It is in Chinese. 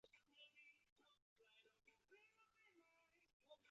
东香川市是位于日本香川县东部的城市。